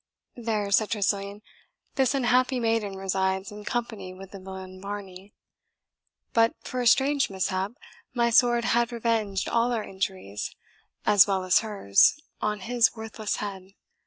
"There," said Tressilian, "this unhappy maiden resides, in company with the villain Varney. But for a strange mishap, my sword had revenged all our injuries, as well as hers, on his worthless head."